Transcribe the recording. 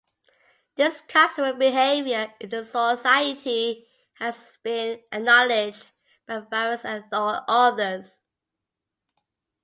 This customer behavior in the society has been acknowledged by various authors.